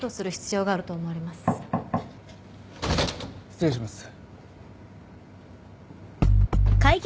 失礼します。